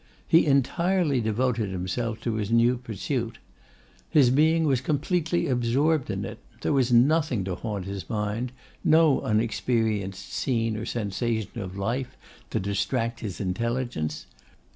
He entirely devoted himself to his new pursuit. His being was completely absorbed in it. There was nothing to haunt his mind; no unexperienced scene or sensation of life to distract his intelligence.